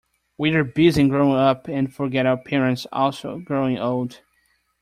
We're busy growing up and forget our parents are also growing old.